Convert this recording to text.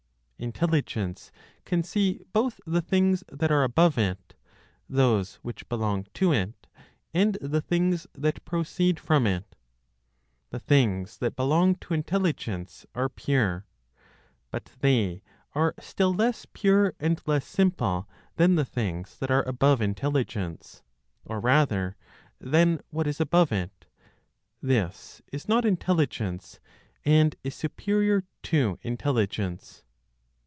Intelligence can see both the things that are above it, those which belong to it, and the things that proceed from it. The things that belong to intelligence are pure; but they are still less pure and less simple than the things that are above Intelligence, or rather than what is above it; this is not Intelligence, and is superior to Intelligence.